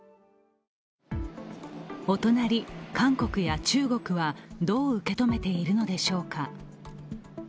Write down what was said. お隣、韓国や中国はどう受け止めているのでしょうか。